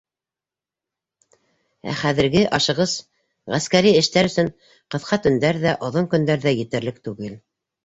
Ә хәҙерге ашығыс ғәскәри эштәр өсөн ҡыҫҡа төндәр ҙә, оҙон көндәр ҙә етерлек түгел.